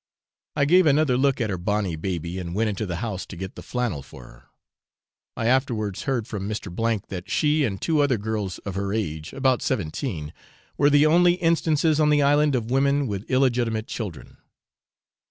I gave another look at her bonny baby, and went into the house to get the flannel for her. I afterwards heard from Mr. that she and two other girls of her age, about seventeen, were the only instances on the island of women with illegitimate children.